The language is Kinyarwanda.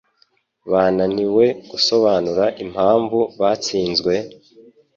Bananiwe gusobanura impamvu batsinzwe,